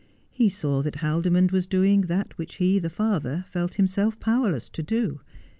He saw that Haldimond was doing that which he the father felt himself powerless to do.